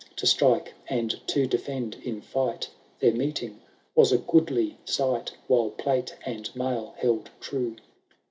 To strike and to defend in fight. Their meeting was a goodly sight. While plate and mail held true.